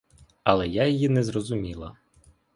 Але я її не зрозуміла.